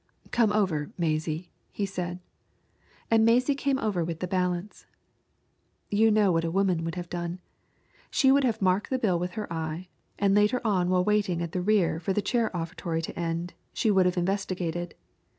"Come over, Mazie," he said. And Mazie came over with the balance. You know what a woman would have done. She would have marked the bill with her eye, and later on while waiting at the rear for the chair offertory to end, she would have investigated.